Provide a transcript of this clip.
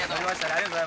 ありがとう。